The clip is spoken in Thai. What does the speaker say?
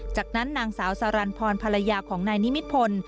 จากนั้นนางสาวสารันพรภรรยาของนายนิมิตพล